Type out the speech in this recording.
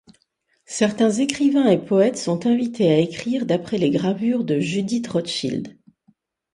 Certains écrivains et poètes sont invités à écrire d'après les gravures de Judith Rothchild.